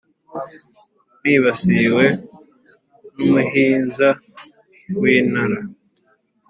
Nibasiwe n'umuhinza w'Intara